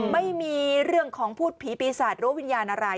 ไม่มีเรื่องของพูดผีปีศาจหรือว่าวิญญาณอะไร